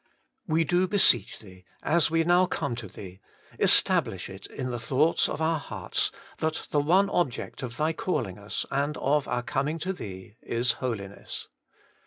We do beseech Thee, as we now come to Thee, establish it in the thoughts of our heart, that the one object of Thy calling us, and of our coming to Thee, is Holiness.